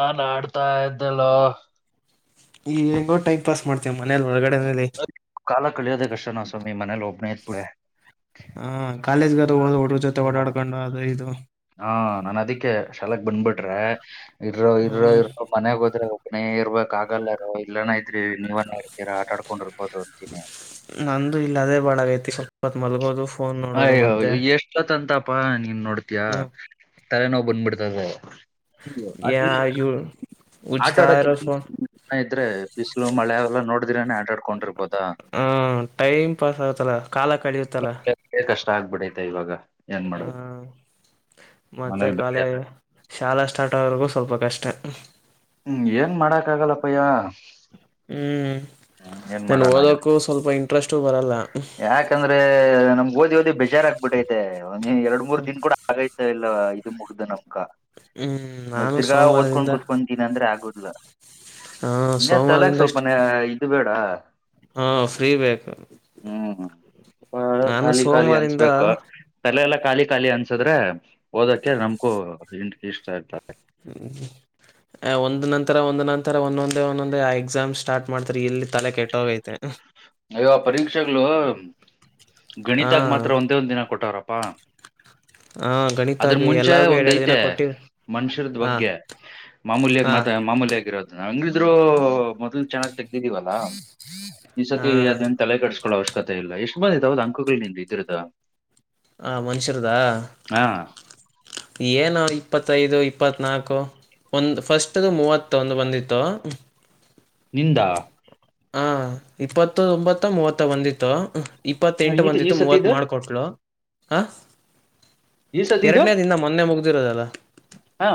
ನಾನ್ು ಆಡ್ತಾ ಇದ್ದಲ್ಲ ಈಗೋ ಟೈಮ್ ಪಾಸ್ ಮಾಡ್ತೇವೆ ಮನೇಲಿ ಹೊರಗಡೆ ಕಲ ಕಳಿಯದ ಕಷ್ಟ ನಸೋ ಮೀ ಮನೆ ಲೋಬನಯ ಪುಡೆೆ ುಡು ಜೊತೆ ಓಡಾಡೊಂಡು ಇದು ಹಾ ನನ್ ಅದಿಕ್ಕೆ ಶಾಲಾಕ್ ಬಂದಬಿಟ್ರೆ ಇರ ಇರ ಹ್ಮ್ ಇರ ಮನೆಯಾಗ ಹೋದ್ರೆ ಮನೇ ಇರ್ಬೇಕಾಗಗಲ್ಲಾರ ಇಲ್ಲನ ಇದ್ರಿ ನೀವನ ಇರ್ತೀರಾ ಆಟ ಆಡ್ಕೊಂಡ್ರ ನಂದು ಇಲ್ಲ ಅದೇ ಬಾಳಗೈತಿ ಸ್ವಲ್ಪತ್ ಮಲ್ಗೋದು ಫೋನ್ ನೋಡೋದು ಅಯ್ಯೋ ಮತ್ತೆ ಎಷ್ಟೊತ್ಂತಪಾ ನೀನ್ ನೋಡ್ತಯ ಹ್ಮ್ ತಲೆ ನೋವು ಬಂದ್ಬಿಡ್ತದೆ ಯಾ ಇವ್ ಆಟ ಉಜ್ತಾ ಆಡಕ್ ಇರೋ ಫೋನ್ ಇದ್ರೆ ಬಿಸಿ್ಲು ಮಳೆ ಎಲ್ಲಾ ನೋಡಿದಿರನೆೇ ಆಟ ಆಡ್ಕೊಂಡ್ರಿ ಹ ಟೈಮ್ ಪಾಸ್ ಆಗುತ್ತಲ್ಲ ಕಾಲ ಕಳಿಯುತ್ತಲ್ಲ ಇಲ್ಲಂದ್ರೆ ಕಷ್ಟ ಆಗ್ಬಿಡೈತೆ ಇವಾಗ ಏನ್ ಮಾಡೋದು ಹ್ಮ ಮತ್ತೆ ಮನೇಲಿ ಬೇರೆ ಕಾಲೇಜ ಯಾರು- ಶಾಲಾ ಸ್ಟಾರ್ಟ್ ಆ್ರಗೂ ಸ್ವಲ್ಪ ಕಷ್ಟ ಹ್ಮ್ ಏನ್ ಮಾಡಾಕ್ ಆಗಲ್ಲಪ್ಪಯ್ಯ ಹ್ಮ್ ಹ್ಮ್ ಏನ್ ನಾನು ಮಾಡೋಣ ಓದೋಕ್ಕೂ ಸ್ವಲ್ಪ ಇಂಟ್ರೆಸ್ಟು ಬರಲ್ಲ ಯಾಕಂದ್ರೆ ನಮ ಓದಿ ಓದಿ ಬೇಜಾರ್ ಆಾಕ್ಬಿಟ್ಟೈತೆ ಎರಡ್ ಮೂರ್ ದಿನ ಕೂಡ ಆಗೈತೆ ಎಲ್ಲ ಇದು ಮುಗ್ದು ನಮ್ಕ ಹ್ಮ್ ನ ನಾನು ತಿರ್ಗಾ ಓದ್ಕೊಂಡ್ ಸೋಮವಾರದಿಂದ ಕುೂತ್ಕೊ ಅಂದ್ರೆ ಆಗದಿಲ್ಲ ಹ ಇನ್ನ ತಲಕ್ ಸ್ವಲ್ಪ ಇದು ಬೇಡ ಹಾ ಫ್ರೀ ಬೇಕ ಹ್ಮ್ ಖಾಲಿ ಖಾಲಿ ಅನ್ಸ್ಬೇಕು ತಲೆ ಎಲ್ಲ ಖಾಲಿ ಖಾಲಿ ಅನ್ಸದ್ರೆ ಓದಕ್ಕೆ ನಮ್ಕೂ ಇಂ ಇಷ್ಟ ಇರ್ತಾರೆ ಹ್ಮ ಒಂದ್ ನಂತರ ಒಂದ್ ನಂತರ ಒಂದೊಂದೆ ಒಂದೊಂದೆ ಆ ಎಕ್ಸಾಮ್ ಸ್ಟಾರ್ಟ್ ಮಾಡ್ತಾರೆ ಇಲ್ಲಿ ತಲೆ ಕೆಟ್ಟೋಗೈತೆ ಅಯವ ಪರೀಕ್ಷೆಗಳು ಹಾ ಗಣಿತಾಗ ಮಾತ್ರ ಒಂದೇ ಒಂದ್ ದಿನ ಕೊಟ್ಟವ್ರಪ್ಪಾ ಹಾ ಅದ್ರ ಗಣಿತಾಗ ಮುಂಚೆ ಎಲ್ಲಗು ಎರ ಎರಡು ದಿನ ಒಂದೈತೆ ಕೊಟ್ಟಿದ ಮನುಷ್ಯರದ ಬಗ್ಗೆ ಮಾಮೂಲ್ಯಾಗ ಹಾ ಮಾತ ಮಾಮೂಲ್ಯಗ ಇರೋದು ಂಗಿದ್ರು ಮೊದ್ಲು ಚೆನ್ನಾಗ್ತ ಹ್ಮ ಹ್ಮ ತಿ ಅದನ್ನ ತಲೆ ಕಡಸ್ಕೊಳ್ಳೋ ಅವಶ್ಯಕ ಇಲ್ಲ ಎಷ್ಟ ಬಂದ ಇದಾವದ ಅಂಕಗಳು ನಿಿಂದ ಇದ್ರದ ಹ ಮನುಷ್ಯರದಾ ಏನು ಇಪ್ಪತ್ತೈದು ಇಪ್ಪತ್ನಾಲ್ಕು ಒಂದು ಫಸ್ಟ್ ಮೂವತ್ತ ಒಂದು ಬಂದಿತ್ತು ನಿಂದ ಹ ಇಪ್ಪತ್ತು ಒಂಬತ್ತ ಮೂವತ್ತ ಬಂದಿತ್ತು ಹಾ, ಇಪ್ಪತ್ತೆಂಟು ಈ ಈ ಬಂದಿತ್ತು ಮೂವತ್ತು ಸತಿದು ಮಾಡಕೊಟ್ಳ ಹಾಂ ಈ ಸತಿದು ಎರಡನೇ ದಿಂದ ಮೊನ್ನೆ ಮುಗ್ದಿರೋದಲ್ಲ ಹಾ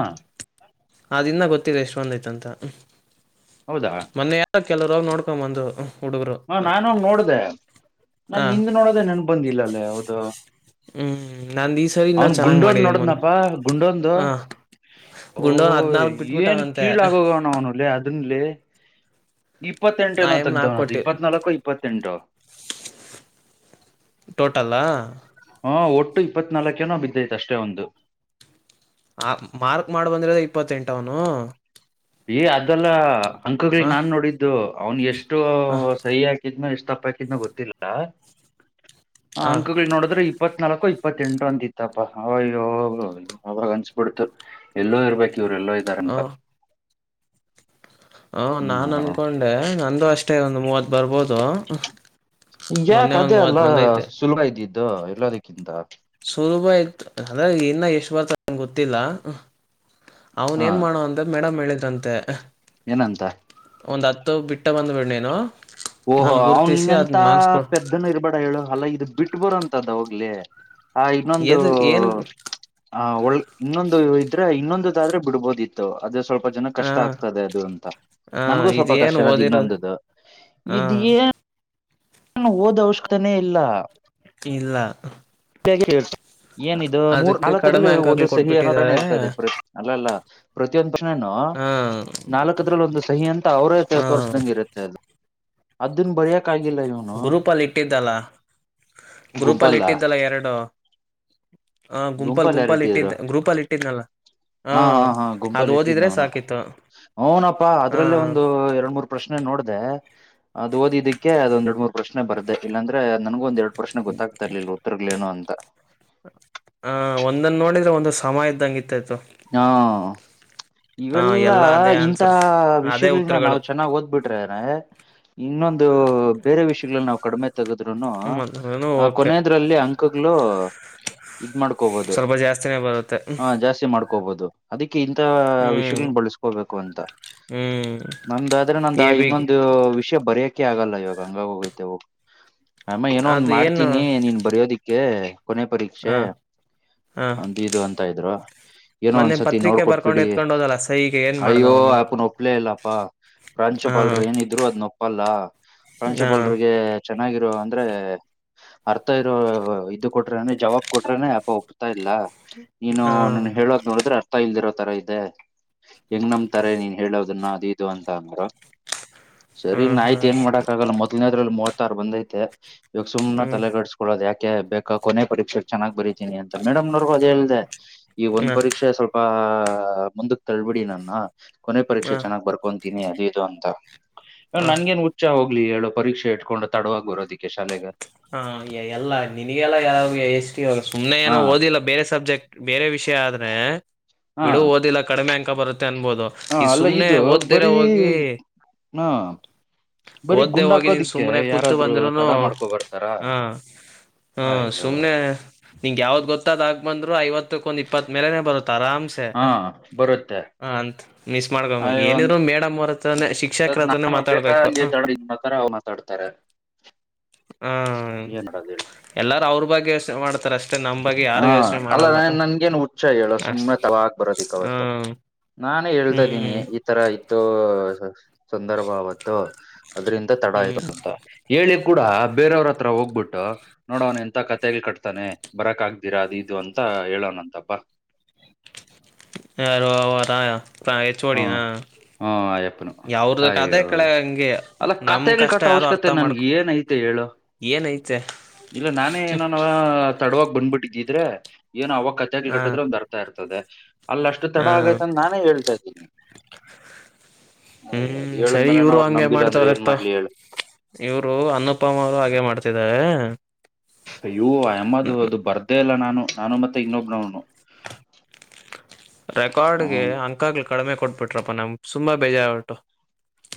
ಅಿನ್ನ ಗೊತ್ತಿಲ್ಲ ಎಷ್ಟೊಂದಯ್ತಂತ ಹೌದಾ ಕೆಲ್ ನೋಡ್ಕೊ್ಂಬಂದು ಹಾ ನಾನು ನೋಡ್ದ ನಾ ಹಾ ನಿಂದ ನೋಡದೆ ನನ್ ಬಂದಿಲ್ಲ ಅಲ್ಲೇ ಹೌದು ಹ್ಮ್ ನಂದ್ ಈ ಸರಿ ಇನ್ನ ಅವನ್ ಚೆನ್ನಾಗ್ ಗುಂಡೋಂದು ಮಾಡಿದೀನಿ ಮೊನ್ನೆ ನೋಡ್ದ್ನಪ್ಪಾ ಗುಂಡೊಂದು ಹಾ ಓ ಗುಂಡೋನ್ ಹದ್ನಾಲ್ಕ್ ಏನ್ ಬಿಟ್ಬಿಟ್ಟವನಂತೆ ಕೀಳ ಆಾಗೋಗವಣ ಅವ್ನುಲ್ಲಿ ಅದನ್ಲ್ಲಿ ಇಪ್ಪತ್ತೆಂಟು ಆ ನೋ ಎಮ್ ನಾಕ್ ತಗ್ದವನ ಅದು ಕೊಟ್ಟಿ ಇಪ್ಪತ್ನಾಲ್ಕು ಇಪ್ಪತ್ತೆಂಟು ಟೋಟಲ್ಲಾ ಹಾ ಒಟ್ಟು ಇಪ್ಪತ್ನಾಾಲ್ಕೇನೋ ಬಿದ್ದೈತ ಅಷ್ಟೇ ಒಂದು ಆ ಮಾರ್ಕ್ ಮಾಡ್ ಬಂದ್ರದ ಇಪ್ಪತ್ತೆಂಟ ಅವನು ಏ ಅದೆಲ್ಲ ಅಂಕಗಳು ಆ ನಾನ್ ನೋಡಿದ್ದು ಅವ್ನ್ ಎಷ್ಟು ಆ ಸರಿ ಹಾಕಿದ್ನೋ ಎಷ್ಟು ತಪ್ಪಕಂತ ಗೊತ್ತಿಲ್ಲ ಆ ಅಂಕಗಳು ನೋಡಿದ್ರೆ ಇಪ್ಪತ್ನಾಲ್ಕು ಇಪ್ಪತ್ತೆಂಟು ಅಂತಿತ್ತಪ್ಪಾ ಅವಯ್ಯೋ ಅವ್ರಗ್ ಅನ್ಸಬಿಡ್ತು ಎಲ್ಲೋ ಇರ್ಬೇಕು ಇವರೆಲ್ಲೋ ಇದ್ದಾರಂತ ಹ ನಾನ್ ಹ್ಮ್ ಅನ್ಕೊಂಡೆ ನಂದು ಅಷ್ಟೇ ಒಂದು ಮೂವತ್ ಬರ್ಬೋದು ಯಾಕ ಮೊನ್ನೆ ಒಂದ್ ಅದೇ ಅಲ್ಲ ಮೂವತ್ ಬಂದೈತೆ ಸುಲಭ ಇದ್ದಿದ್ದು ಎಲ್ಲದಕ್ಕಿಂತ ಸುಲಭ ಆಯ್ತು ಅದ್ರೆ ಇನ್ನ ಎಷ್ಟು ಬರ್ತ ನಂಗಗೆ ಗೊತ್ತಿಲ್ಲ ಅವ್ನ್ ಹಾ ಏನ್ ಮಾಡುವ ಅಂದ ಮೇಡಮ್ ಹೇಳಿದ್ರಂತೆ ಏನಂತ ಒಂದ್ ಹತ್ತು ಬಿಟ್ಟ ಬಂದ್ಬಿಡ ನೀನು ಓಹೋ ನನ್ ಅವ್ನ್ ಗುರ್ತಿಸಿ ಅದ್ ನಿನ್ನೆಂತ ಮಾರ್ಕ್ಸ್ ಕೊಡ್ ಪದ್ದನ ಇರ್ಬೇಡ ಹೇಳು ಅಲ್ಲಾ ಇದು ಬಿಟ್ ಬರಂತ ಹೋಗ್ಲಿ ಆ ಇನ್ನೊಂದು ಎದು ಏನ್ ಹ ಒಳ್ಳ ಇನ್ನೊಂದು ಇದ್ರೆ ಇನ್ನೊಂದುದಾದ್ರೆ ಬಿಡ್ಬೋದಿತ್ತು ಅದು ಸ್ವಲ್ಪ ಸ್ವಲ್ಪ ಜನ ಹ ಕಷ್ಟ ಆಗ್ತದೆ ಅದು ಅಂತ ಹ ನನ್ಗೂ ಸ್ವಲ್ಪ ಕಷ್ಟ ಇದೇನ್ ಇನದು್ ಓದಿರೋದು ಇನ್ನೊಂದುು ಹ ಇದ ಏು ಓದ ಅವಶ್ಯಕತಾನೇ ಇಲ್ಲ ಇಲ್ಲ ಹೇಳ ಏನ ಇದು ಮೂರ್ ಅದಕ್ಕೆ ನಾಲ್ಕಲ್ಲಿ ಕಡಿಮೆ ಒಂದು ಅಂಕಗಳು ಸಹಿ ಅನ್ನೋದಾನೇ ಕೊಟ್ಬಿಟ್ಟಿದ್ದಾರೆ ಇರ್ತದೆ ಪ್ರ ಅಲ್ಲ ಅಲ್ಲ ಪ್ರತಿಯೊಂದು ಪ್ರಶ್ನೆ ಹ ನಾಲ್ಕದ್ರಲ್ಲಿ ಒಂದು ಸಹಿ ಅಂತ ಅವ್ರೇ ಹ ವರ್ಸ್ದಂಗ ಇರುತ್ತೆ ಅದು ಅದನ್ ಬರ್ಯಾ ಕಗಿಲ್ಲ ಗ್ರೂಪಲ್ಲಿ ಇಟ್ಟಿದ್ದಲ್ಲ ಗ್ರೂಪಲ್ಲಿ ಗುಂಪಲ್ಲ ಇಟ್ಟಿದ್ದಲ್ಲ ಎರಡು ಹ ಗುಂಪಾಲ್ ಗುಂಪಲ್ಲಿ ಯಾರು ಗುಂಪಾ ಇಟ್ಟಿದ್ರು ಇಟ್ಟಿದ ಗ್ರೂಪಲ್ ಇಟ್ಟಿದ್ನಲ್ಲ ಹಾ ಹಾ ಹಾ ಅದು ಗುಂಪಲ್ಲಿ ಇಟ್ಟಿದ್ ಓದಿದ್ರೆ ಸಾಕಿತ್ತು ನನು ನಪ್ಪಾ ಹ ಅದ್ರಲ್ಲೇ ಒಂದು ಎರಡ್ ಮೂರ್ ಪ್ರಶ್ನೆ ನೋಡಿದೆ ಅದು ಓದಿದಕ್ಕೆ ಅದೊಂದೆರಡ್ ಮೂರ್ ಪ್ರಶ್ನೆ ಬರ್ದಕ್ಕಿಲ್ಲ ಅಂದ್ರೆ ನನ್ಗು ಒಂದ್ ಎರಡು ಪ್ರಶ್ನೆ ಗೊತ್ತಾಗತತಿ ಇರ್ಲಿಲ್ಲ ಉತ್ತರಗಳೇನೋ ಅಂತ ಆ ಒಂದನ್ನು ನೋಡಿದ್ರೆ ಒಂದು ಸಮಯ ಇದ್ದಂಗಿ ಹಾ ಹ ಇವೆಲ್ಲ ಎಲ್ಲಾ ಅದೇ ಇಂತ ಆನ್ಸರ್ಸ್ ಅದೇ ವಿಷಯಗಳನ್ನ ನಾವ್ ಉತ್ತರಗಳು ಚೆನ್ನಾಗ್ ಓದ್ಬಿಟ್ರನೆ ಇನ್ನೊಂದು ಬೇರೆ ವಿಷಯಗಳಲ್ಲಿ ನಾವು ಕಡಿಮೆ ತಗದ್ರುನು ಮದ್ನು ಓಕೆ ಕೊನೆಯದ್ರಲ್ಲಿಂ ಅಕ್ಕ ಇದ ಮಾಡ್ಕೋಬಹುದು ಸ್ವಲ್ಪ ಜಾಸ್ತಿನೇ ಬರುತ್ತೆ ಹ ಜಾಸ್ತಿ ಮಾಡ್ಕೋಬಹುದು ಅದ ಇಂತ ಹ್ಮ್ ವಿಷಯಗಳನ್ನ ಬಳಸ್ಕೋಬೇಕು ಅಂತ ಹ್ಮ್ ನಮ್ದಾದ್ರೆ ನಮ್ದ ಎ ಬಿ ಇನ್ನೊಂದು ವಿಷಯ ಬರಕೆ ಅ ಆಗಲ್ಲ ಇವಾಗ ಹಂಗಾಗಿ ಹೋಗೈತೆ ಹೋಗ ಆಮ ಏನೋ ಒಂದ್ ಅದು ಏನು ಮಾಡ್ತೀನಿ ನೀನ್ ಬರಯೋದಿಕ್ಕೆ ಕೊನೆ ಪರೀಕ್ಷೆ ಹ ಹ ಒಂದು ಇದು ಅಂತ ಇದ್ರು ಏನೋ ಮೊನ್ನೆ ಒಂದಸತಿ ಪತ್ರಿಕೆ ಬರ್ಕೊಂಡ್ ನೋಡ್ಕೊಟ್ಬಿಡಿ ಎತ್ಕೊಂಡ್ ಹೋದಲ್ಲ ಸೈಗೆ ಏನ್ ಮಾಡ್ದ ಅಯ್ಯೋ ಅವನು ಅಪನ ಒಪ್ಲೇ ಇಲ್ಲಪ್ಪಾ ಹ ಪ್ರಾಂಶುಪಾಾಲರು ಏನಿದ್ರು ಅದ್ ನೊಪ್ಪಲ್ಲ ಹ ಪ್ರಾಂಶುಪಾಲರಿಗೆ ಚೆನ್ನಾಗಿರೋ ಅರ್ಥ ಇರೋ ಇದು ಕೊಟ್ರನೆ ಜವಾಬ್ ಕೊಟ್ರೇನೆ ಅ ಒತಾ ಇಲ್ಲ ನೀನು ನನ್ ಹ ಹೇಳೋದ್ ನೋಡಿದ್ರೆ ಅರ್ಥ ಇಲ್ದಿರೋ ತರ ಇದೆ ಹೆಂಗ್ ನಮ್ತಾರೆ ನೀನ್ ಹೇಳೋದನ್ನ ಅದು ಇದು ಅಂತ ಅಂದಾರ ಸರಿ ನ ಆಯ್ತು ಹ್ಮ್ ಏನ್ ಮಾಡಕ್ ಆಗಲ್ಲ ಮೊದ್ಲನೇದ್ರಲ್ಲಿ ಮೂವತ್ತಾರು ಬಂದ್ೈತೆ ಇವಾಗ ಸುಮನೆ ಹ್ಮ ತಲೆಗಡಿಸಸ್ಕೊಳ್ಳೋದ ಯಾಕೆ ಬೇಕಾ ಕೊನೆ ಪರೀಕ್ಷೆಗೆ ಚೆನಾಗ್ ಬರಿತೀನಿ ಅಂತ ಮೇಡಮ್ ಅದ ಹೇಳಿದೆ ಈ ಒಂದ್ ಹ್ಮ್ ಪರೀಕ್ಷೆ ಸ್ವಲ್ಪ ಮುಂದಕ್ ತಳ್ಬಿಡಿ ನನ್ನ ಕೊನೆ ಪರೀಕ್ಷೆ ಹ ಚೆನ್ನಾಗ್ ಬರ್ಕೊಂತೀನಿ ಅದ ಇದು ಅಂತ ಹ ಇವನ್ ಹ ನನ್ಗೇನ್ ಹುಚ್ಚ ಹೋಗ ಅಗ್ಲಿ ಹೇಳೋ ಪರೀಕ್ಷೆ ಇಟ್ಕೊಂಡ ತಡವಾಗಿ ಬರೋದಕ್ಕೆ ಶಾಲೆಗೆ ಹ ಎಲ್ಲಾ ನಿನಗೆಲ್ಲ ಯಾವ ಎಷ್ಟ ಸುಮ್ನೆ ಏನೋ ಹಾ ಓದಿಲ್ಲ ಬೇರೆ ಸಬ್ಜೆಕ್ಟ್ ಬೇರೆ ವಿಷಯ ಆದ್ರೆ ಹಾ ಬಿಡು ಓದಿಲ್ಲ ಕಡಿಮೆ ಅಕ ಬರುತ್ತೆ ಅನ್ಬೋದು ಹ ಈ ಅಲ್ಲ ಸುಮ್ನೆ ಇದು ಓದ್ದಿರ ಬರೀ ಹೋಗಿ ಹಾ ಬರೀ ಓದ್ದೇ ಗುಂಡ್ ಹೋಗಿ ಹಾಕೋದಿಕ್ಕೆ ಸುಮ್ಮ್ನೆ ಕ್ದು ಯಾರಾದ್ರು ಬಂದಿರೂನು ತಡ ಮಾಡ್ಕೊ ಬರ್ತಾರ ಹಾ ಹಾ ಅಯ್ಯೋ ಸುಮ್ನೆ ನಿಂಗೆ ಯಾವ್ದ್ ಗೊತ್ತಾದಾಗ ಬಂದ್ರು ಐವತ್ತಕ್ಕ ಒಂದು ಇಪ್ಪತ್ ಮೇಲನೆ ಬರುತ್ತ ಆರಾಮ್ಸೆ ಹ ಹಾ ಬರುತ್ತೆ ಅಂತ ಮಿಸ್ ಮಾಡ್ಕೊ ಅಯ್ಯೋ ಅಂತ ಏನಿದ್ರು ಮೇಡಮ್ರ ಶಿಕ್ಷಕರ ಹತ್ರನೇ ನಾನು ಮಾತಾಡ್ಬೇಕು ಬೇಕಾದಂಗೆ ಹ ತಡ ಮಾತಾರ ಅವ್ ಮಾತಾಡ್ತಾರೆ ಹ್ಮ ಏನ್ ಮಾಡೋದು ಹೇಳು ಎಲ್ಲಾರು ಅವರು ಬ ಹಾ ಅಲ್ಲ ಮಾಡಲ್ಲ ನ ನನ್ಗೇನು ಹುಚ್ಚ ಹೇಳ ಅಷ್ಟ ಸುಮ್ನೆ ತಾಗ ಬರೋದಿಕ್ಕವತ್ತು ಹ್ಮ ನಾನು ಹೇಳ್ತಾ ಇದ್ದೀನಿ ಹ್ಮ್ ಈತರ ಇತ್ತು ಸಂದರ್ಭ ಆವತ್ತು ಅದ್ರಿಂದ ತಡ ಆಯ್ತು ಹ್ಮ್ ಅಂತ ಹೇಳಿ ಕೂಡ ಬೇರೆಯವ್ರ ಹತ್ರ ಹೋಗ್ಬಿಟ್ಟು ನೋಡವನ್ ಎಂತ ಕ ತೆಲ್ ಕಟ್ತಾನೆ ಬರಕ್ ಆಗ್ದೀರಾ ಅದು ಇದು ಅಂತ ಹೇಳೋಣಂತಪ್ಪ ಯಾರ ಅವರ ಪ್ರಾಗ ಹೆಚ್ ಒ ಡಿ ಹ್ಮ ನ ಹ್ಮ ಅಯ್ಯಪ್ಪನು ಯಾವ್ರ ಅದೇ ಅಯ್ಯೋ ಕೆಳ ಹಂಗೆ ಅಲ್ಲ ನಮ್ ಕತೆಗಳು ಕಷ್ಟ ಕಟ್ಟ ಯಾರು ಅವಶ್ಯಕತೆ ಅರ್ಥ ನನ್ಗೆ ಮಾಡ್ಕು ಏನೈತೆ ಹೇಳು ಏನ ಐತೆ ಇಲ್ಲ ನಾನೇ ಏನಾದ ತಡವಾಗಿ ಬಂದ್ಬಿಟ್ಟಿದ್ದಿದ್ರೆ ಏನೋ ಅವಾಗ ಕತೆ ಹಾ ಕಟ್ಟಿದ್ರೆ ಒಂದ್ ಅರ್ಥ ಇರ್ತದೆ ಅಲ್ಲ ಅಷ್ಟು ಹ ತಡ ಆಗೈತಂದ ನಾನೇ ಹೇಳ್ತಾ ಇದ್ದೀನಿ ಅಯ ಅದ್ ಹ್ಮ್ ಸರಿ ಹೇಳದ್ಮೇಲೆಾನ ಅವ್್ರ ನಂಬಿಲ್ಲ ಅಂದ್ರೆ ಏನ್ ಮಾಡ್ಲಿ ಹೇಳ ಇವರು ಅನ್ನಪಮ್ಮ ಅವರು ಹಾಗೆ ಮಾಡ್ತಿದೆ ಅಯ್ಯೋ ಅಮ್ಮದು ಅದು ಬರ್ದೆೇ ಇಲ್ಲ ನಾನು ನಾನು ಮತ್ತೆ ಇನ್ನೊಂಬನನು ರೆಕಾರ್ಡ್ಗೆ ಅಂಕಗಳು ಕಡಿಮೆ ಕೊಟ್ಬಿಟ್ರಪ್ಪಾ ನಮ್ಗೆ ತುಂಬಾ ಬೇಜಾರಟ್ಟು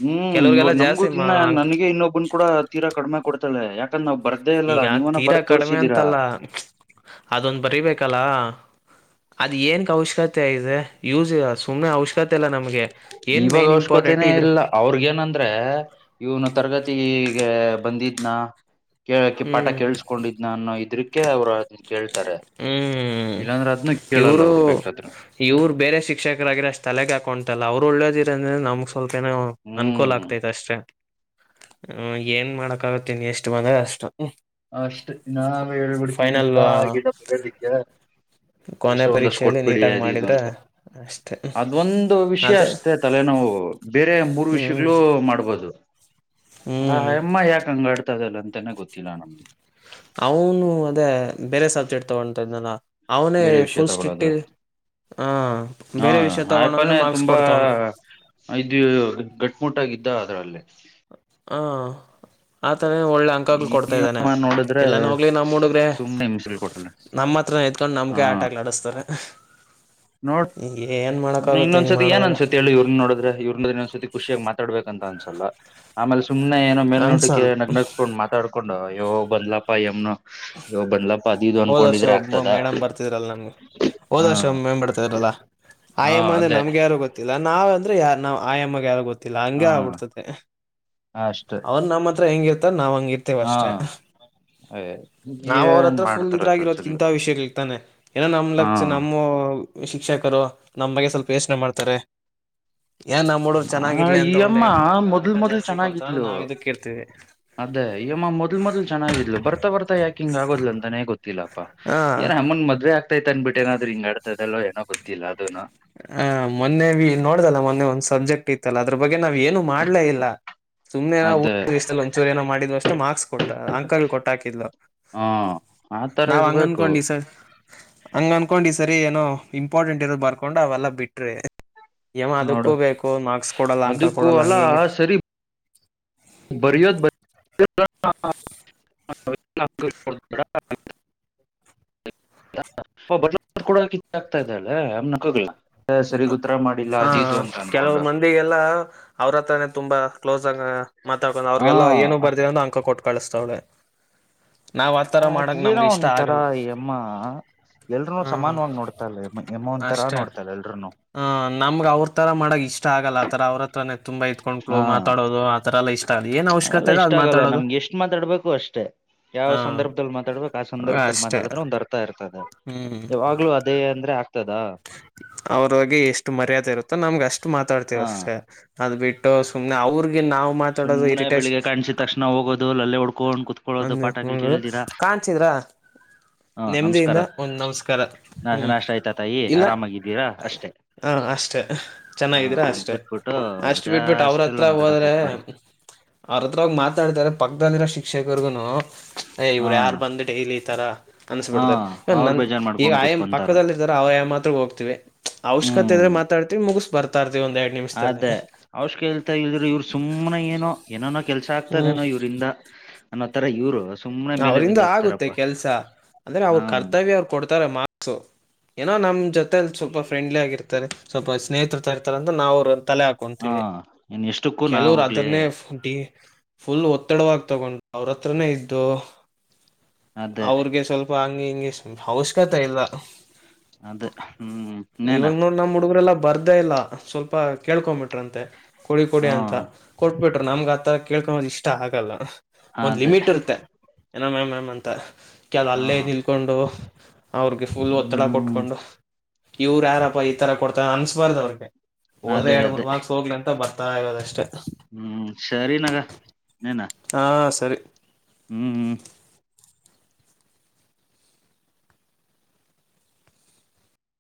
ಹ್ಮ್ ಇವಾಗ ಕೆಲವ್ರಿಗೆಲ್ಲಾ ನಮಗು ಜಾಸ್ತಿ ಮಾ ಇನ್ನ ಅಂಕ ನನಗೆ ಇನ್ನೊಬ್ಬನ್ ಕೂಡ ತೀರಾ ಕಡಿಮೆ ಕೊಡ್ತಳೆ ಯಾಕಂದ್ರ ಒಬ್ಬ ಈಗ ತೀರಾ ಕಡಿಮೆ ಅಂತಲ್ಲ ಅದೊಂದ ಬರಿಬೇಕಲ್ಲ ಅದ ಏನಕ್ಕೆ ಅವಶ್ಯಕತೆ ಇದೆ ಯೂಸ್ ಇ ಸುಮ್ಮನೆ ಅವಶ್ಯಕತೆ ಇಲ್ಲ ನಮ್ಗೆ ಏನ್ ಇವಾಗ ಮೇನ್ ಇಂಪಾರ್ಟೆಂಟ್ ಅವಶ್ಯಕತೆನೇ ಇದ್ರ ಇಲ್ಲ ಅವ್ರಗ ಏನಂದ್ರೆ ಇವನು ತರಗತಿಗೆ ಬಂದಿ ನ ಕೇಳಕ್ಕೆ ಪಾಠ ಹ್ಮ್ ಕೇಳಸ್ಕೊಂಡಿದ್ನ ಅನ್ನೋ ಇದ್ರಕ್ಕೆೆ ಅವ್ರು ಅದ ಕೇಳ್ ಹ್ಮ್ ಕೇಳಲ್ಲ ಇವರು ಅವ್ರು ಬೇಕಾದ್ರೆ ಇವ್ರು ಬೇರೆ ಶಿಕ್ಷಕರಾಗಿರ ಅಷ್ಟೇ ತಲೆಗೆ ಹಾಕೊಂಟಲ್ಲ ಅವ್ರು ಒಳ್ಳೇದಿರಂದ್ರೆ ನಮ್ಗ್ ಸ್ವಲ್ಪ ಏನೋ ಅನುಕೂಲ ಹ್ಮ್ ಆಗ್ತೈತ್ ಅಷ್ಟೆ ಹ ಏನ್ ಮಾಡಕ ಆಗುತ್ತೆ ಎಷ್ಟು ಬಂದ್ರೆ ಅಷ್ಟು ಅಷ್ಟ ನಾವೇ ಹೇಳ್ಬಿಡ್ತೀವಿ ಫೈನಲ್ ಎಲ್ಲಾ ಗಿಡ ಬದಕ್ಕೆ ಎಷ್ಟ ಕೊನೆ ಒಂದಷ್ಟ ಪರೀಕ್ಷೆಯಲ್ಲಿ ಕೊಟ್ಬಿಡಿ ನೀಟಾಗಿ ಅದು ಇದು ಮಾಡಿದ್ರೆ ಅಂತ ಅಷ್ಟೆ ಅದೊಂದು ವಿಷಯ ಅದೇ ಅಷ್ಟೇ ತಲೆನೋ ನಾವು ಬೇರೆ ಮೂರು ಹ್ಮ್ ವಿಷಯಗಳು ಮಾಡ್ಬೋದು ಹಾ ಹ್ಮ್ ಎಮ್ಮ ಯಾಕ ಹಂಗಾಡ್ತದಲ್ಲ ಅಂತಾನನೆ ಗೊತ್ತಿಲ್ಲ ನಮ್್ದಗೆ ಅವನು ಅದೇ ಬೇರೆ ಸಬ್ಜೆಕ್ಟ್ ತಗೊತ ಇದ್ನಲ್ಲ ಅವನೇ ಬೇರೆ ವಿಷಯ ಫುಲ್ ಸ್ಟಿಟ್ಟ ತಗೊಳ್ಳೋದು ಹಾ ಆಯಪಾನೇ ಮಾರ್ಕ್ಸ್ ತುಂಬಾ ಕೊಡ್ತಾವನು ಇದು ಗಟ್್ಮಟ್ಟಾಗಿದ್ದ ಅದ್ರಲ್ಲೇ ಹ ಆತಾನೇ ಒಳ್ಳೆ ಅಂಕಾಗಗಳು ಈ ಕೊಡ್ತಾ ಇದ್ದಾನೆ ಅಮ್ಮ ನೋಡಿದ್ರೆ ಇಲ್ಲಾನ ಹೋಗ್ಲಿ ನಮ್ಮ ಹುಡುಗ್ರೆ ಸುಮ್ನೆ ಹಿಂಸಲ್ ಕೊಟ್ಟಲ್ಲ ನಮ್ಮ ಹತ್ರನ ಎತ್ಕೊಂಡು ಹಾ ನಮಗೆೇ ಆಟಕ್ ಆಡುಸ್ತಾರೆ ನೋಡ್ ಹಿಂಗ್ ಇನ್ನೊಂದ್ಸತಿ ಮಾಡದಾಗ ಏನ್ೊಂದ್ಸತಿ ಹೇಳಿ ಇವ್ರನ್ನ ನೋಡಿದ್ರೆ ಇವ್ರನದ್ರ ಇನ್ೊಂದ್ಸತಿ ಖುಷಿಯಾಗಿ ಮಾತಾಡ್ಬೇಕ ಅಂತ ಅನ್ಸಲ್ಲ ಆಮೇಲೆ ಸುಮ್ನೆ ಏನೋ ಮೇಲ್ ನೋಟಕ್ಕೆ ಅನ್ಸಲ್ ನಗ್ನಕೊಂಡ್ ಮಾತಾಡ್ಕೊಂಡ ಯೋ್ ಬಂದ್ಲಪ್ಪಾ ಎಮ್ನ ಇ್ಯೋ ಬಂದ್ಲಪ್ಪ ಅದು ಇದು ಹೋದ್ ವರ್ಷ ಅನ್ಕೊಂಡಿದ್ರೆ ಒಬ್ಬ ಆಗ್ತದ ಮೇಡಮ್ ಹಾ ಗೊರಲ್ಲ ಆಯಮ್ಮ ಅಂದ್ರೆ ಅದೇ ನಮ್ಗೆ ಯಾರು ಗೊತ್ತಿಲ್ಲಾವ ಅಂದ್ರೆ ಯ ಆಯಮ್ಮಗೆ ಯಾರು ಗೊತ್ತಿಲ್ಲ ಲ್ಲ ಹಾ ಹಂಗಗೆ ಆಗ್ಬಿಡ್ತ ಅಷ್ಟೆ ಅವ್ರು ನಮ್ಮ ಹತ್ರ ಹೆಂಗ ಇರ್ತ ನಾವ್ಂಗ ಇರ್ತೇವೆ ಹಾ ಅಷ್ಟೇ ನಾವ್ ಏನ್ ಅವ್ರತ್ರ ಫುಲ್ ಮಾಡ್ತಾರ ಕೆಲ್ಸಗಳು ಇದ್ರಗರೋದಕಿಂತ ವಿಷಯಗಳ ಇರ್ತಾನೆ ಏನೋ ನಮ್ ಹಾ ಲಕ್ಷ ನಮ್ಮ ಶಿಕ್ಷಕರು ನಮ್ ಬಗ್ಗೆ ಸ್ವಲ್ಪ ಯೋಚನೆ ಮಾಡ್ತಾರೆ ಏನ್ ನಮ್ಮ್ ಹಡುಗರ್ರು ಚೆನ್ನಾಗಿರ್ಲಿ ಈ ಅಂತ ಒಂದ ಅಮ್ಮ ಎರಡ್ ಮ ಮೊದ್ಲ್ ಅಂಕ ಮೊದ್ಲ್ ಜಾಸ್ತಿ ಕೊಡ್ತಾರ ಚೆನ್ನಾಗಿದ್ಲು ನಾವ್ ಇದಕ್ಕ ಇರ್ತಿೀವಿ ಅದೇ ಯಮ್ಮ ಮೊದಲ್ ಮೊದ್ ಚನ್ನಾಗಿದ್ಲು ಬರ್ತಾ ಬರ್ಾಕೆ ಂಗ್ ಆಗದ್ ಅಂತಾನೆ ಗೊತ್ತಿಲ್ಲಪ್ಪಾ ಹಾ ಯಾರ ಅನ್ ಮದ್ೆ ಆಗ್ತೈತ್ ಅನ್ ಬಿಟ್ಟ ಏನಾದ್ ಹಂಗ ಆಡತದಲ್ಲ ಏನ ಗೊತ್ತಿಲ್ಲ ಅದೂ ಆ ಮೊನ್ನೆ ವಿ ನೋಡ್ದಲ್ಲ ಮೊನ್ನೆ ಒಂದ್ ಸಬ್ಜೆಕ್ಟ್ ಇತ್ತಲ್ಲ ಅದ್ರ ಬಗ್ಗೆ ನಾವ್ ಏನು ಮಾಡ್ಲೇ ಇಲ್ಲ ಸುಮ್ಮ್ನೆಏನ ಅದೇ ಊಟಷ್ಟ ಒಂಚೂರು ಏನೋ ಮಾಡಿದ್ರು ಅಷ್ಟೆ ಮಾರ್ಕ್ಸ್ ಕೊಟ್ಟ ಅಂಕಲ್ ಕೊಟ್ಟ ಹಾಕಿದ್ ಹ ಆತರ ನಾವ್ ಇರ್ಬೇಕು ಹಂಗನ್ಕೊಂಡಿ ಸರ್ ಹಂಗ ಅನ್ಕೊಂಡ್ ಈ ಸರಿ ಏನೋ ಇಂಪಾರ್ಟೆಂಟ್ ಇರೋದ್ ಬರ್ಕೊಂಡ್ ಅವೆಲ್ಲಾ ಬಿಟ್ರಿ ಯಮ್ಮ ನೋಡು ಅದಕ್ಕೂ ಬೇಕು ಮಾರ್ಕ್ಸ್ ಕೊಡಲ್ಲ ಅಂಕ ಅದಕ್ಕೂ ಕೊಡಲ್ಲ ಹಂಗಿಂಗ ಬರಿಯೋದ ಬ ಬ ಕಡಿ ಆಗ್ತಾ ಇದ್ದಾಳೆ ಅಮ್ನಕೋಗಲ್ಲ ಹ ಕೆಲವು ಅನ್ಕೊಂಡು ಮಂದಿಗೆಲ್ಲ ಅವ್ರ ಹತ್ರಾನೇ ತುಂಬಾ ಕ್ಲೋಸ್ ಮಾತಾಡ್ಕೊಂಡ ಹ ಅವ್ರಗೆಲ್ಲ ಏನು ಬರ್ದರ ಅಂದ ಅಂಕ ಕೊಟ್ಟು ಕಳಿಸತಾವಳೆ ಅದ್ ಏನೋ ಒಂದ ತರ ಅಮ್ಮ ಎಲ್ರುೂನು ಹಾ ಸಮಾನವಾಗಿ ನೋಡ್ತಾ ಇೆ ಎಮೋ ಒಂ ತರ ಅಷ್ಟೇ ನೋಡ್ತಾಲ್ಲ ಹ ನಮ್ಗ ಅವ್ರ ತರ ಮಾಡಕ್ ಇಷ್ಟ ಆಗಲ್ಲ ಆತರ ಅವ್ರತ್ರ ಹತ್ರ ತುಂಬಾ ಇದಕೊಂಡಕ್ಳು ಹಾ ಮಾತಾಡೋದು ಆತರ ಎಲ್ಲ ಇಷ್ಟ ಆಗಲ್ಲ ಏನ್ ಅವೆಲ್ಲ ಅವಶ್ಯಕತೆ ಇದೆ ಇಷ್ಟ ಅದ್ ಆಗಲ್ಲ ಮಾತಾಡೋದು ನಮ್ಗೆ ಎಷ್ಟ್ ಮಾತಾಡ್ಬೇಕು ಅಷ್ಟೇ ಯಾವ ಹ ಸಂದರ್ಭದಲ್ಲಿ ಮಾತಾಡ್ಬೇಕು ಆ ಸಂದರ್ಭದಲ್ಲಿ ಅಷ್ಟೇ ಮಾತಾಡಿದ್ರೆ ಒಂದು ಅರ್ಥ ಇರ್ತದೆ ಹ್ಮ್ ಯವಾಗ್ಲೂ ಅದೇ ಅಂದ್ರೆ ಆ ಅವ್ರಗೆ ಎಷ್ಟು ಮರ್ಯಾದೆ ಇರುತ್ತೋ ನಮ್ಗೆ ಅಷ್ಟು ಮಾತಾಡ್ತಿವ ಹ ಅಷ್ಟೆ ಅದ್ ಬಿಟ್ಟು ಸುಮನೆ ಅವ್ರ [inaudible] ನವು ಮಾತಾಡದು ಸುಮ್ನೆ ಇ ಬೆಳಿಗ್ಗೆ ಕಾಣಿಸಿದ ತಕ್ಷಣ ಹೋಗೋದು ಲಲ್ಲೆ ಹೊಡ್ಕೊಂಡ್ ಕುತ್ಕೊಳ್ಳೋದು ಪಾಠಗಳು ಕೇಳ್ದಿರಾ ಕಚಿದ್ರ ಹಾ ನಮಸ್ಕಾರ ನೆಮ್ಮದಿಯಿಂದ ಒಂದ ನಮಸ್ಕಾರ ನಾಶ ಹ್ಮ್ ನಾಷ್ಟ ಆಯ್ತಾ ತಾಯಿ ಇಲ್ಲ ಆರಾಮಾಗಿದ್ದೀರಾ ಅಷ್ಟೇ ಹ ಅಷ್ಟೆ ಹಾ ಚೆನ್ನಾಗಿದ್ರೆ ಅಷ್ಟೆ ಬಿಟ್ಬಿಟ್ಟು ಅಷ್ಟು ಬಿಟ್ಬಿಟ್ಟು ಜಾಸ್ತಿ ಎಲ್ಲ ಅವ್ರತ್ರ ಮಾತಾಡಕ್ ಹೋದ್ರೆ ಹೋಗ್ಬಾರ್ದು ಅವ್ರತ್ರವಾಗಿ ಮಾತಾಡತಾರೆ ಪಕ್ಕದಲ್ಲಿರೋ ಶಿಕ್ಷಕರಿಗುನು ಏ ಹಾ ಇವ್ರು ಯಾರ ಬಂದ ಡೈಲಿ ಈ ತರ ಹಾ ಅನ್ಸ್ಬಿಡ್ತಾರೆ ಇವ ನ ಅವ್ರ ಬೇಜಾರ್ ಈಗ ಮಾಡ್ಕೊಂಡ್ ಆಯ್ ಕುತ್ಕೊಂತಾರೆ ಪಕ್ಕದಲ್ಲಿ ಇದ ಅವಯ ಮಾತ್ರ ಹೋಗತತಿವಿ ಅವಶ್ಯಕತೆ ಇದ್ರೆ ಹ್ಮ್ ಮಾತಾಡ್ತಿವಿ ಮುಗಿಸ್ ಬರ್ತಾವಿ ಅದೇ ಅವಶ್ಕ ಇಲ್ತ ಇಲ್ದ್ರರು ಇವ್ರು ಸುಮನೆ ಏನೋ ಏನನೋ ಕೆಲ್ಸ ಆಗ್ತದೇನೋ ಇವ್ರಂದ ಅವ್ರಿಂದ ಆಗುತ್ತೆ ಕೆಲ್ಸ ಅಂದ್ರೆ ಅವ್ರ ಹಾ ಕರ್ತವ್ಯ ಅವ್ರು ಕೊಡ್ತಾರೆ ಮಾಸು ಏನೋ ನಮ್ ಜೊತೆ ಸ್ವಲ್ಪ ಫ್ರೆಂಡ್ಲಿ ಆಗಿರ್ತಾರೆ ಸ್ವಲ್ಪ ಸ್ನೇಹಿತತರ ಇರ್ತಾರೆ ಅಂತ ನಾವು ಅವ್ ತಲೆ ಹಾ ಹಾಕೊಂತಿವಿ ಇನ್ ಎಷ್ಟಕ್ಕೂ ನಾ ಕೆಲವರು ಹೋಗ್ಲಿ ಅದನ್ನೇ ಡಿ ಪುಲ್ ಒತ್ತಡವಾಗಿ ತಗೊಂಡು ಅವ್ರ ಹತ್ರನೇ ಇದ್ದು ಅದೇ ಅವ್ರಿಗೆ ಸ್ವಲ್ಪ ಹಂಗಿ ಹಿಂಗಿ ಅವಶ್ಯಕತೆ ಇಲ್ಲ ಅದೇ ಹ್ಮ್ ಇನ್ನೇನ ಇವಾಗ ನೋಡ್ ನಮ್ಮ ಹುಡುಗರೆ ಎಲ್ಲಾ ಬರದೇ ಇಲ್ಲ ಸ್ವಲ್ಪ ಕೇಳ್ಕೊಬಿಟ್ರಂತೆ ಕೊಡಿ ಕೊಡಿ ಹಾ ಅಂತ ಕೊಟ್ಬಿಟ್ಟ್ ನಮಗ ಆತರ ಕೇಳ್ಕೊದು ಇಷ್ಟ ಆಗಲ್ಲ ಒಂದ್ ಅದೇ ಲಿಮಿಟ್ ಇರುತ್ತೆ. ಏನ ಮ್ಯಾಮ್ ಮ್ಯಾಮ್ ಅಂತ ಕೇಳ್ ಅಲ್ಲೇ ಹಾ ನಿಲ್ಕೊಂಡು ಅವರಿಗೆ ಪುಲ್ ಒತ್ತಡ ಹ್ಮ್ ಕೊಟ್ಕೊಂಡು ಇವರು ಯಾರಪ್ಪ ಈ ತರ ಕೊಡ್ತಾರೆ ಅನ್ಸ್ಬರ್ದು ಅವರಿಗೆ ಹೋದ್ರೆ ಅದೇ ಎರಡ್ ಅದೇ ಮೂರ್ ಮಾರ್ಕ್ಸ್ ಹೋಗ್ಲಿ ಅಂತ ಬರ್ತಾ ಇರೋದಷ್ಟೆ ಹ್ಮ್ ಸರಿನಾಗ ಇನ್ನೇನ ಹಾ ಸರಿ ಹ್ಮ್ ಹ್ಮ್